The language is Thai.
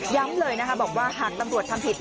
ย้ำเลยนะครับบอกว่าหากตำรวจทำผิด